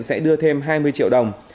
sẽ đưa thêm hai mươi triệu đồng